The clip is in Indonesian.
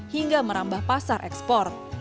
hingga merambah pasar ekspor